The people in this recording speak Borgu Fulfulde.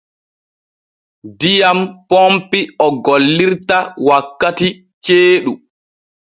Diyam ponpi o gollirta wakkati ceeɗu.